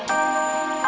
sekarang atau tetapi